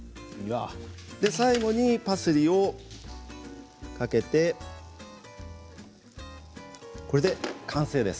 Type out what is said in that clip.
最後にパセリをかけてこれで完成です。